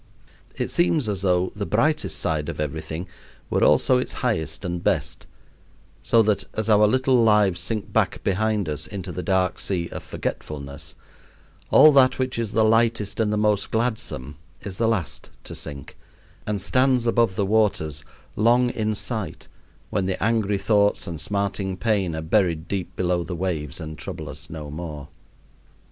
It seems as though the brightest side of everything were also its highest and best, so that as our little lives sink back behind us into the dark sea of forgetfulness, all that which is the lightest and the most gladsome is the last to sink, and stands above the waters, long in sight, when the angry thoughts and smarting pain are buried deep below the waves and trouble us no more.